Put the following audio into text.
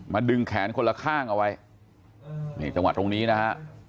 ดึงแขนคนละข้างเอาไว้นี่จังหวะตรงนี้นะฮะ